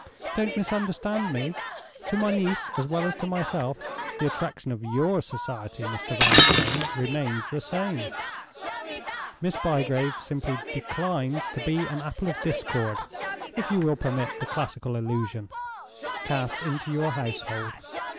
Don't misunderstand me! To my niece as well as to myself, the attraction of your society, Mr. Vanstone, remains the same. Miss Bygrave simply declines to be an apple of discord (if you will permit the classical allusion) cast into your household.